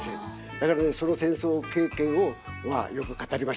だからねその戦争経験をまあよく語りましたよ。